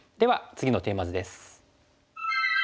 次のテーマ図です。